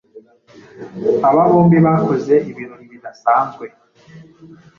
Aba bombi bakoze ibirori bidasanzwe